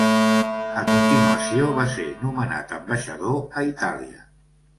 A continuació, va ser nomenat ambaixador a Itàlia.